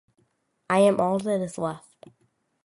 'I am all that is left.